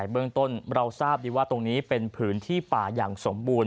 เบื้องต้นเราทราบดีว่าตรงนี้เป็นพื้นที่ป่าอย่างสมบูรณ